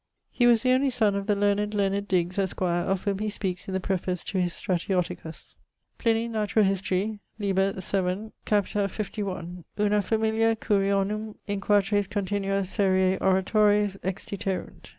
He was the onely sonne of the learned Leonard Digges, esqr, of whom he speakes in the preface to his Stratioticos. Pliny, Nat. Hist. lib. vii. cap. 51; 'Una familia Curionum in qua tres continua serie Oratores extiterunt.'